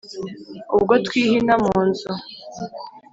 ubwo twihina mu nzu